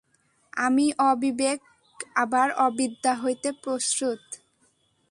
এই অবিবেক আবার অবিদ্যা হইতে প্রসূত।